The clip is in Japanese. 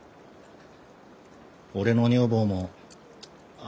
俺の女房もあっ